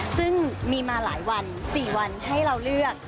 ซึ่งมีมาหลายวัน๔วันให้เราเลือก